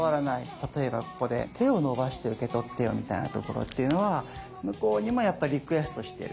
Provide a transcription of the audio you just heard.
例えばここで「手をのばして受けとってよ」みたいなところっていうのは向こうにもやっぱリクエストしてる。